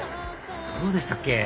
そうでしたっけ？